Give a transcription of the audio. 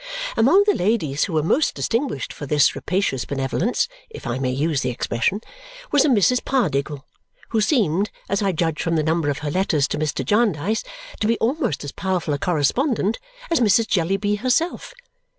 Among the ladies who were most distinguished for this rapacious benevolence (if I may use the expression) was a Mrs. Pardiggle, who seemed, as I judged from the number of her letters to Mr. Jarndyce, to be almost as powerful a correspondent as Mrs. Jellyby herself.